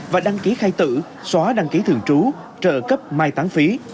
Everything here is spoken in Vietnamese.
và đăng ký khai tử xóa đăng ký thường trú trợ cấp mai tăng phí